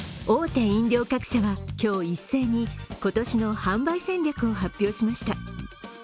大手飲料各社は、今日一斉に今年の販売戦略を発表しました。